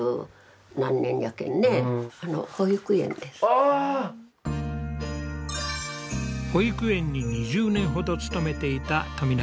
もう私保育園に２０年ほど勤めていた富永さん。